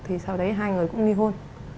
thì sau đấy hai người cũng nghi hôn